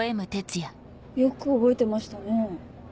よく覚えてましたね。